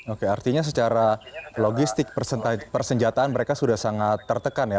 oke artinya secara logistik persenjataan mereka sudah sangat tertekan ya